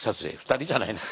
２人じゃない。